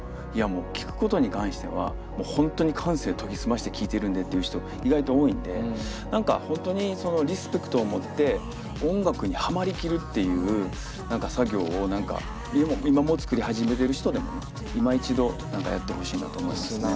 もう聴くことに関しては本当に感性研ぎ澄まして聴いてるんで」っていう人意外と多いんで何か本当にリスペクトを持って音楽にハマりきるっていう作業を今もう作り始めてる人でもいま一度やってほしいなと思いますね。